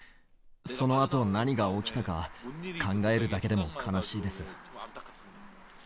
そのあと何が起きたか、考えるだけでも悲しいです。